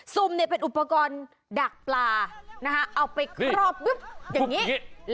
ซุ่มเนี่ยเป็นอุปกรณ์ดักปลาเอาไปครอบึ๊บอย่างนี้